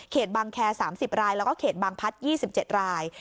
บางแคร์๓๐รายแล้วก็เขตบางพัด๒๗ราย